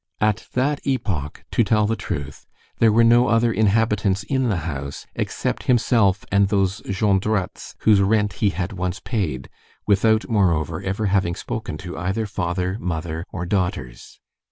At that epoch, to tell the truth, there were no other inhabitants in the house, except himself and those Jondrettes whose rent he had once paid, without, moreover, ever having spoken to either father, mother, or daughters.